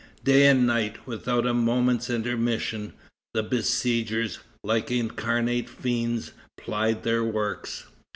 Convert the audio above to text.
Day and night, without a moment's intermission, the besiegers, like incarnate fiends, plied their works.